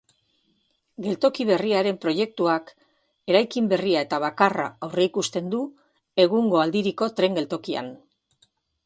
Geltoki berriaren proiektuak eraikin berria eta bakarra aurreikusten du egungo aldiriko tren-geltokian.